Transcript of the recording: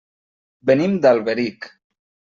Venim d'Alberic.